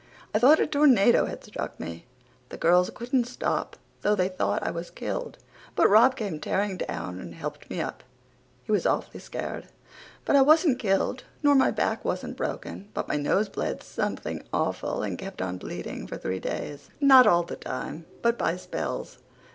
I thought a tornado had struck me. The girls couldn't stop though they thought I was killed, but Rob came tearing down and helped me up. He was awful scared but I wasn't killed nor my back wasn't broken but my nose bled something awful and kept on bleeding for three days. Not all the time but by spells.